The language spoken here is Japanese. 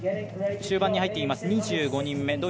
終盤に入っています、２５人目。